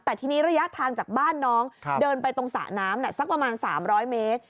แต่ทีนี้ระยะทางจากบ้านน้องเดินไปตรงสระน้ำสักประมาณ๓๐๐เมตร